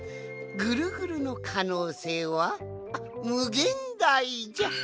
ぐるぐるのかのうせいはむげんだいじゃ！